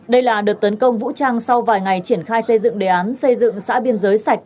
đây là đợt tấn công vũ trang sau vài ngày triển khai xây dựng đề án xây dựng xã biên giới sạch